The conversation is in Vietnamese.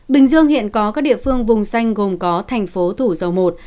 bình dương hiện có các địa phương vùng xanh gồm có thành phố thủ dầu một